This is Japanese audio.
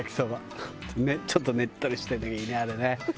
ちょっとねっとりしてるのがいいねあれね。